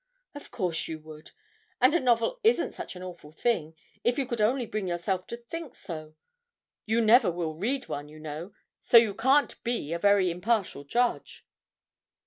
Of course you would! And a novel isn't such an awful thing, if you could only bring yourself to think so. You never will read one, you know, so you can't be a very impartial judge.'